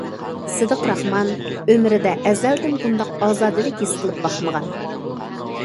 سىدىق راخمان ئۆمرىدە ئەزەلدىن بۇنداق ئازادىلىك ھېس قىلىپ باقمىغان.